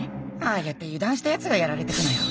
ああやって油断したやつがやられてくのよ。